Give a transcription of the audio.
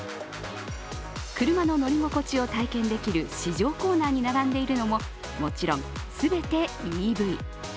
車の乗り心地を体験できる試乗コーナーに並んでいるのももちろん、全てＥＶ。